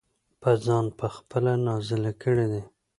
پۀ ځان پۀ خپله نازلې کړي دي -